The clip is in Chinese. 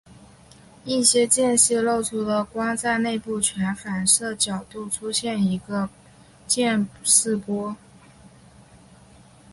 一些间隙漏出的光在内部全反射角度出现一个渐逝波。